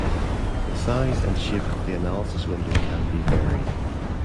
The size and shape of the analysis window can be varied.